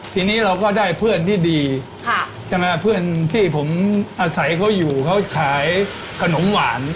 ทีนี้เราก็ได้เพื่อนที่ดีใช่ไหมเพื่อนที่ผมอาศัยเขาอยู่เขาขายขนมหวาน